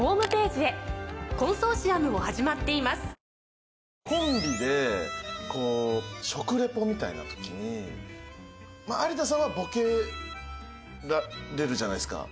さらにコンビでこう食リポみたいな時に有田さんはボケが出るじゃないですか。